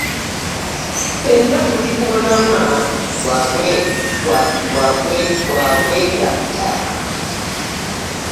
Ffenna tuli ku mulamwa gwa kwegatta.